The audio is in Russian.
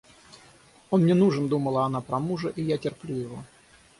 Он мне нужен, — думала она про мужа, — и я терплю его.